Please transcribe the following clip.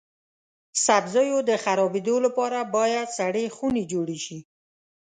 سبزیو د خرابیدو لپاره باید سړې خونې جوړې شي.